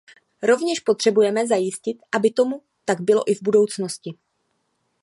Rovněž potřebujeme zajistit, aby tomu tak bylo i v budoucnosti.